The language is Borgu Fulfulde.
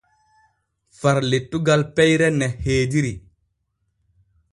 Far lettugal peyre ni heediri.